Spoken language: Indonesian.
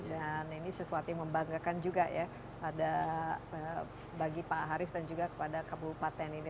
dan ini sesuatu yang membanggakan juga ya bagi pak haris dan juga kepada kabupaten ini